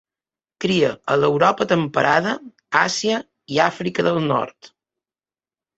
Cria a l'Europa temperada, Àsia i Àfrica del Nord.